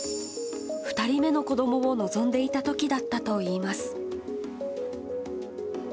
２人目の子どもを望んでいたときだったといいます。